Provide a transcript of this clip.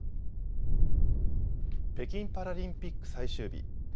北京パラリンピック最終日。